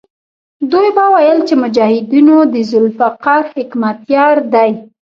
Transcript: دوی به ویل چې مجاهدونو د ذوالفقار حکمتیار دی.